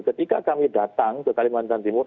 ketika kami datang ke kalimantan timur